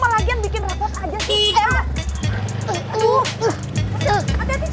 mams kamu malah bikin rapot aja